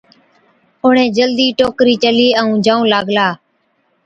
اُڻهين جلدِي ٽوڪرِي چلِي ائُون جائُون لاگلا۔